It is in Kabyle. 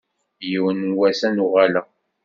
Yiwen n wass ad n-uɣaleɣ.